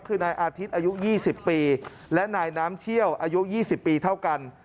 คือนายอาทิตย์อายุ๒๐ปีและนายน้ำเชี่ยวอายุ๒๐ปีเท่ากัน